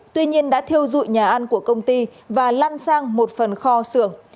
tuy nhiên đã thiêu dụi nhà ăn của công ty và lan sang một phần kho xưởng